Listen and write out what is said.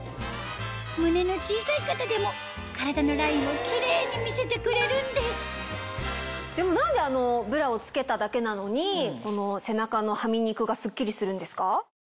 胸の小さい方でも体のラインをキレイに見せてくれるんですでも何であのブラを着けただけなのに背中のはみ肉がスッキリするんですか？